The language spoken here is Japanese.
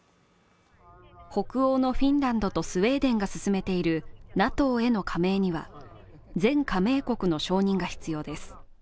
北欧のフィンランドとスウェーデンが進めているＮＡＴＯへの加盟には、全加盟国の承認が必要です。